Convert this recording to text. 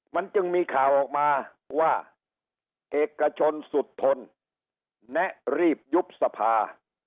มันจึงมีข่าวออกมาว่าเอกชนสุดทนแนะรีบยุบสภา